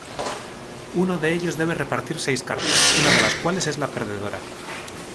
Uno de ellos debe repartir seis cartas, una de las cuales es la perdedora.